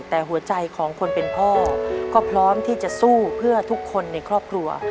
แต่หัวใจของคนเป็นพ่อก็พร้อมที่จะสู้เพื่อทุกคนในครอบครัว